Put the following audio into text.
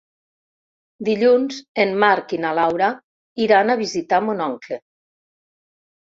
Dilluns en Marc i na Laura iran a visitar mon oncle.